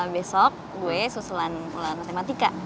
besok gue susulan ulang matematika